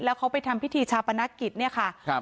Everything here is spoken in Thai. แล้วเขาไปทำพิธีชาปนกิจเนี่ยค่ะครับ